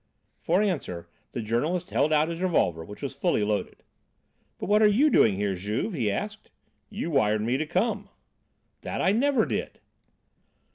For answer, the journalist held out his revolver, which was fully loaded. "But what are you doing here, Juve?" he asked. "You wired to me to come." "That I never did."